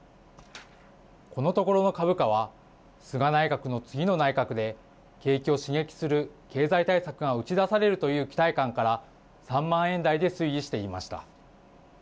このところの株価は菅内閣の次の内閣で景気を刺激する経済対策が打ち出されるという期待感から３万円台で推移していました。